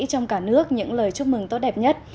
trong cả nước những lời chúc mừng tốt đẹp nhất